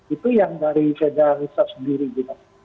itu yang dari federal reserve sendiri gitu